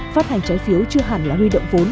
phát hành trái phiếu chưa hẳn là huy động vốn